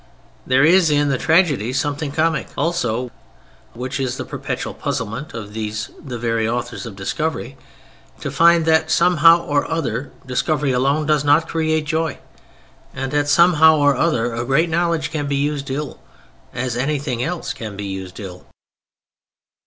There is in the tragedy something comic also, which is the perpetual puzzlement of these the very authors of discovery, to find that, somehow or other, discovery alone does not create joy, and that, somehow or other, a great knowledge can be used ill, as anything else can be used ill.